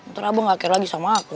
ntar abah ga kira lagi sama aku